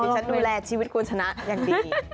ฉันดูแลชีวิตคุณชนะอย่างดี